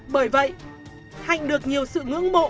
bởi vậy hạnh được nhiều sự ngưỡng mộ